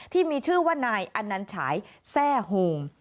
ที่มีชื่อว่านายอนันฉายแทร่โฮม